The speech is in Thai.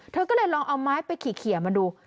เธอก็เลยลองเอาไม้ไปเขียมาดู